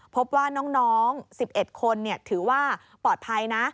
พบว่าน้องสิบเอ็ดคนถือว่าปลอดภัยนะ